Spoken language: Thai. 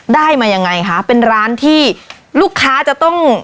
ได้มายังไงคะเป็นร้านที่ลูกค้าจะต้อง